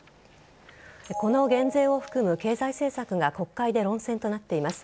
この減税を含む経済政策が国会で論戦となっています。